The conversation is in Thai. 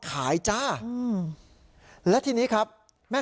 ค้าเป็นผู้ชายชาวเมียนมา